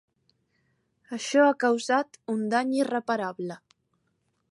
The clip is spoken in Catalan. Això ha causat un dany irreparable.